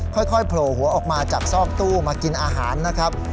โผล่หัวออกมาจากซอกตู้มากินอาหารนะครับ